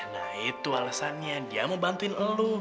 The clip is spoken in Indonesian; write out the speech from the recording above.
nah itu alasannya dia mau bantuin elu